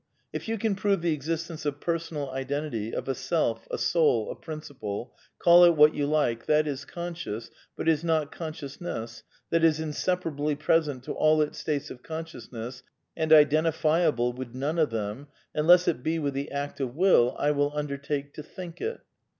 If you can prove the ' existence of personal identity, of a self, a soul, a principle, call it what you like, that is conscious, but is not conscious ness, that is inseparably present to all its states of con sciousness and identifiable with none of them, unless it be with the act of will, I will undertake to " think ^' it.